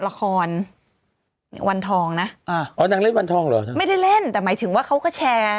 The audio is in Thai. ละครนี่วันทองนะอ่าอ๋อนางเล่นวันทองเหรอใช่ไม่ได้เล่นแต่หมายถึงว่าเขาก็แชร์